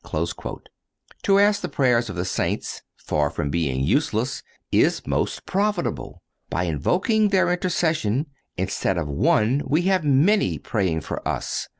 (208) To ask the prayers of the saints, far from being useless, is most profitable. By invoking their intercession, instead of one we have many praying for us.